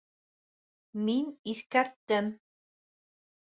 Мин иҫкәрттем!..